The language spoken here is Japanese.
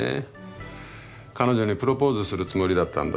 彼女にプロポーズするつもりだったんだって。